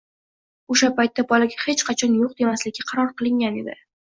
O‘sha paytda bolaga hech qachon yo‘q demaslikka qaror qilingan edi.